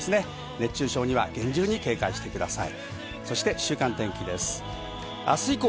熱中症には厳重に警戒してください。